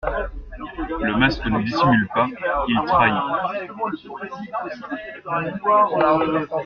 Le masque ne dissimule pas, il trahit.